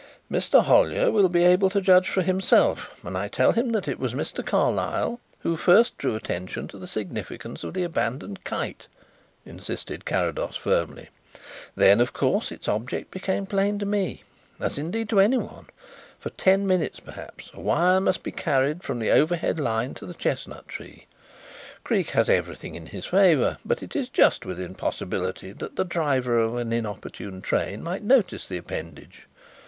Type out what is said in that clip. "Mr. Hollyer will be able to judge for himself when I tell him that it was Mr. Carlyle who first drew attention to the significance of the abandoned kite," insisted Carrados firmly. "Then, of course, its object became plain to me as indeed to anyone. For ten minutes, perhaps, a wire must be carried from the overhead line to the chestnut tree. Creake has everything in his favour, but it is just within possibility that the driver of an inopportune train might notice the appendage.